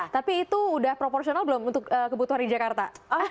tapi itu sudah proporsional belum untuk kebutuhan di jakarta